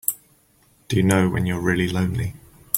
Do you know when you're really lonely?